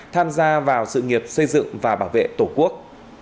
tham gia vào sự nghiệp xây dựng và bảo vệ tổ quốc